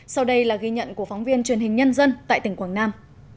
sau đây là ghi nhận của phóng viên truyền hình nhân dân tại tỉnh quảng nam